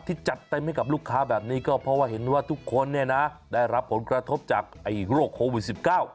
จัดเต็มให้กับลูกค้าแบบนี้ก็เพราะว่าเห็นว่าทุกคนเนี่ยนะได้รับผลกระทบจากไอ้โรคโควิดสิบเก้า